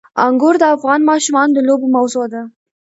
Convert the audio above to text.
انګور د افغان ماشومانو د لوبو موضوع ده.